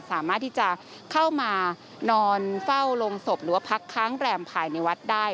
สามารถที่จะเข้ามานอนเฝ้าลงศพหรือว่าพักค้างแรมภายในวัดได้